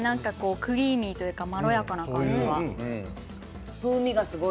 クリーミーとか、まろやかな感じとか。